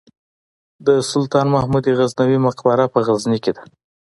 د سلطان محمود غزنوي مقبره په غزني کې ده